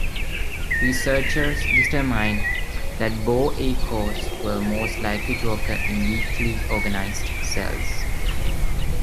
Researchers determined that bow echoes were most likely to occur in weakly organized cells.